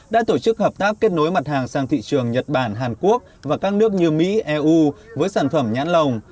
đã tổ chức hợp tác kết nối mặt hàng sang thị trường nhật bản hàn quốc và các nước như mỹ eu với sản phẩm nhãn lồng